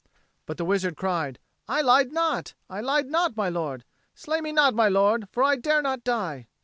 But the wizard cried, "I lied not, I lied not, my lord. Slay me not, my lord! For I dare not die."